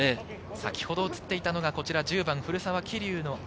先ほど映っていたのが１０番・古澤希竜の兄・